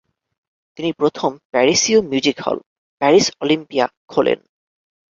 তিনি প্রথম প্যারিসীয় মিউজিক হল: প্যারিস অলিম্পিয়া খোলেন।